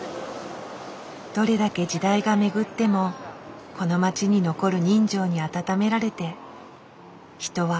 どれだけ時代が巡ってもこの街に残る人情にあたためられて人はあしたを生きていく。